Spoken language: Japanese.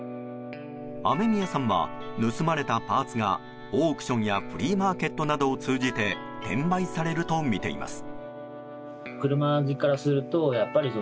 雨宮さんは、盗まれたパーツがオークションやフリーマーケットなどを通じて転売されるとみています。